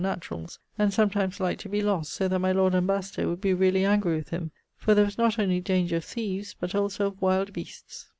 naturalls, and sometimes like to be lost, so that my Lord Ambassador would be really angry with him, for there was not only danger of thieves, but also of wild beasts.